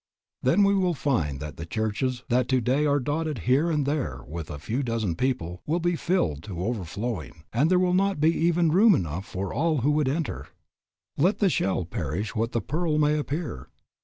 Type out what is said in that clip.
Then we will find that the churches that today are dotted here and there with a few dozen people will be filled to overflowing, and there will not be even room enough for all who would enter. "Let the shell perish that the pearl may appear."